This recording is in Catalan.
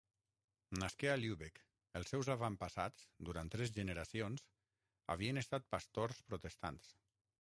Nasqué a Lübeck, els seus avantpassats, durant tres generacions, havien estat pastors protestants.